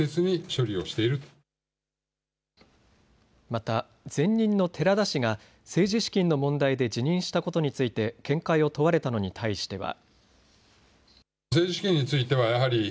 また、前任の寺田氏が政治資金の問題で辞任したことについて見解を問われたのに対しては。